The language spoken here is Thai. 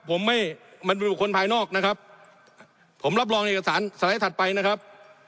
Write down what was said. ผมไม่มันเป็นบุคคลภายนอกนะครับผมรับรองเอกสารสไลด์ถัดไปนะครับ